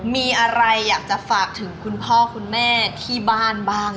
มีอะไรอยากจะฝากถึงคุณพ่อคุณแม่ที่บ้านบ้าง